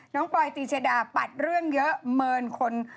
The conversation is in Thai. ปลอยตีชดาปัดเรื่องเยอะเมินคน